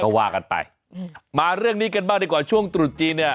ก็ว่ากันไปอืมมาเรื่องนี้กันบ้างดีกว่าช่วงตรุษจีนเนี่ย